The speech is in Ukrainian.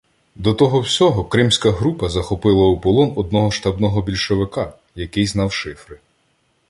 До того всього Кримська група захопила у полон одного штабного більшовика, який знав шифри.